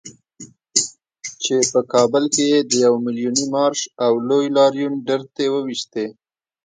چې په کابل کې یې د يو ميليوني مارش او لوی لاريون ډرتې وويشتې.